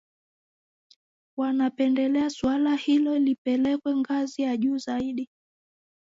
Wanapendelea suala hilo lipelekwe ngazi ya juu zaidi